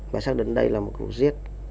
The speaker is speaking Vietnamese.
và xác định đây là một diễn